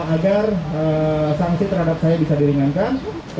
agar sanksi terhadap saya bisa diringankan